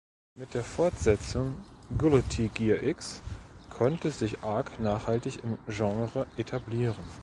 Mit der Fortsetzung "Guilty Gear X" konnte sich Arc nachhaltig im Genre etablieren.